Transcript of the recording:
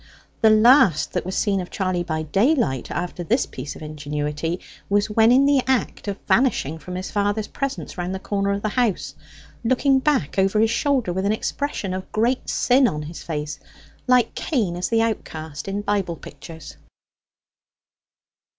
The last that was seen of Charley by daylight after this piece of ingenuity was when in the act of vanishing from his father's presence round the corner of the house looking back over his shoulder with an expression of great sin on his face, like Cain as the Outcast in Bible pictures.